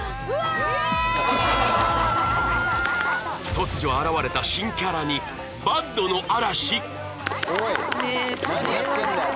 突如現れた新キャラに ＢＡＤ の嵐！？